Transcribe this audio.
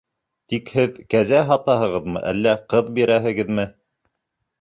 Тик һеҙ кәзә һатаһығыҙмы, әллә ҡыҙ бирәһегеҙме?